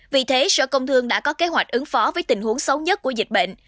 vì thế sở công thương đã có kế hoạch ứng phó với tình huống xấu nhất của dịch bệnh